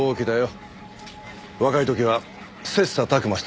若い時は切磋琢磨した仲でね。